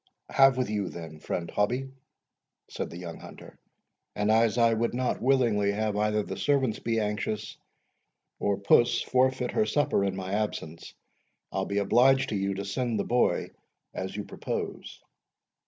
"Have with you then, friend Hobbie," said the young hunter; "and as I would not willingly have either the servants be anxious, or puss forfeit her supper, in my absence, I'll be obliged to you to send the boy as you propose."